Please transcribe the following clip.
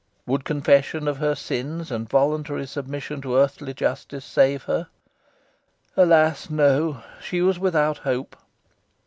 Would confession of her sins and voluntary submission to earthly justice save her? Alas! no. She was without hope.